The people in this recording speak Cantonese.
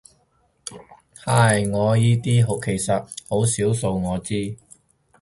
唉，我依啲其實到好少數我知